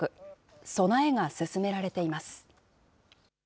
備えが進められています。